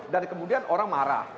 dan kemudian orang marah